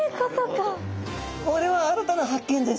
これは新たな発見です。